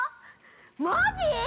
マジ！？